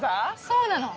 そうなの。